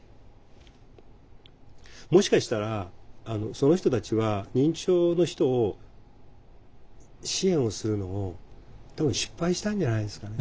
もしかしたらその人たちは認知症の人を支援をするのを多分失敗したんじゃないですかね。